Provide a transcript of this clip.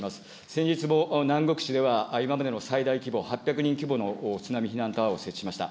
先日もなんごく市では、今までの最大規模、８００人規模の津波避難タワーを設置しました。